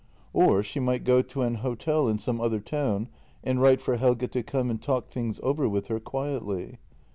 Or she might go to an hotel in some other town and write for Helge to come and talk things over with her quietly.